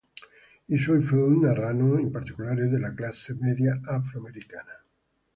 I suoi film narrano in particolare della classe media afroamericana.